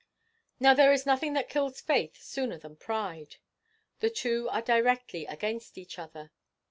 Now, there is nothing that kills faith sooner than pride. The two are directly against each other.